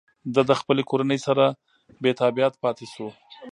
ده د خپلې کورنۍ سره بېتابعیت پاتې شو.